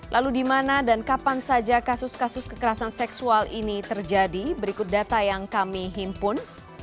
lalu di mana dan kapan saja kasus kasus kekerasan seksual ini terjadi berikut data yang kami himpun